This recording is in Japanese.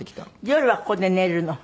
夜はここで寝るの？